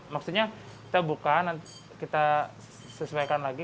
maksudnya kita buka nanti kita sesuaikan lagi